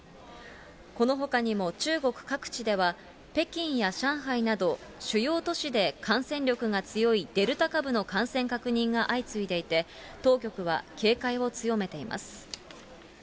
このほかにも中国各地では、北京や上海など、主要都市で感染力が強いデルタ株の感染確認が相次いでいて、当局は警戒を強めています。